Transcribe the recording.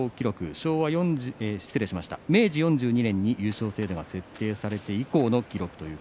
明治４２年に優勝制度が設定されて以来の記録